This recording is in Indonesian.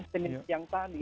seminggu siang tadi